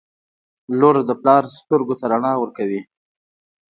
• لور د پلار سترګو ته رڼا ورکوي.